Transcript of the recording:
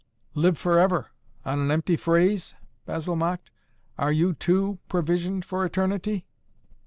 "Live forever on an empty phrase?" Basil mocked. "Are you, too, provisioned for eternity?"